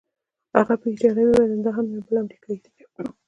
هغه په ایټالوي وویل: دا یې هم یو بل امریکايي دی.